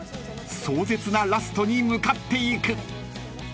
［壮絶なラストに向かっていく］